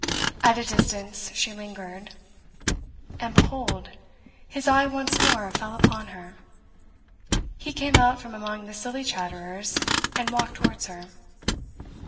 At a distance she lingered. And behold, his eye once more fell upon her! He came out from among the silly chatterers, and walked towards her.